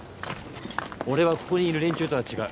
俺はここにいる連中とは違う。